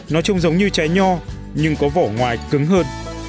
nó trông giống như trái nho nhưng có vỏ ngoài cứng hơn